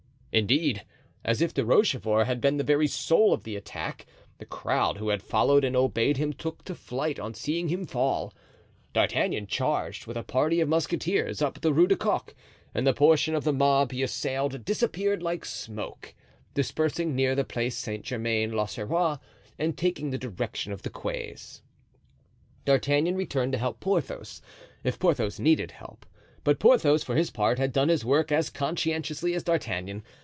Indeed, as if De Rochefort had been the very soul of the attack, the crowd who had followed and obeyed him took to flight on seeing him fall. D'Artagnan charged, with a party of musketeers, up the Rue du Coq, and the portion of the mob he assailed disappeared like smoke, dispersing near the Place Saint Germain l'Auxerrois and taking the direction of the quays. D'Artagnan returned to help Porthos, if Porthos needed help; but Porthos, for his part, had done his work as conscientiously as D'Artagnan.